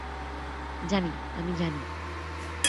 জানি, আমি জানি।